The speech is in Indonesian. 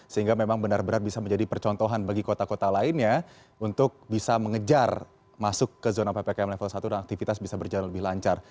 sehingga memang benar benar bisa menjadi percontohan bagi kota kota lainnya untuk bisa mengejar masuk ke zona ppkm level satu dan aktivitas bisa berjalan lebih lancar